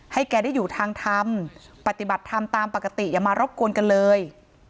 ให้แกได้อยู่ทางทำปฏิบัติทำตามปกติอย่ามารบกวนกันเลย